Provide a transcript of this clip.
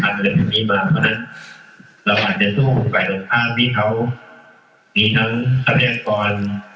มันก็จะเป็นมีมากเพราะฉะนั้นเราอาจจะสู้ไฟลกภาพที่เขานี่ทั้งทรัพยากร